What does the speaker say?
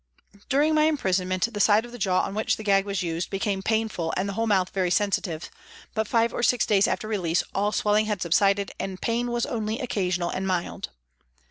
During my imprisonment, the side of the jaw on which the gag was used became painful and the whole mouth very sensitive, but five or six days after release all swelling had subsided and pain was only occasional and mild.